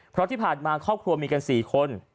เพราะที่ผ่านมาครอบครัวมีกัน๔คน